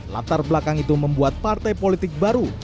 latar belakang itu membuat partai politik baru